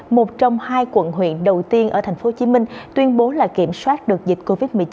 một trong hai quận huyện đầu tiên ở tp hcm tuyên bố là kiểm soát được dịch covid một mươi chín